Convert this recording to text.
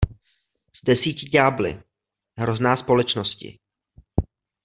S desíti ďábly — hrozná společnosti!